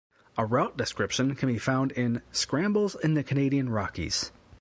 A route description can be found in "Scrambles in the Canadian Rockies".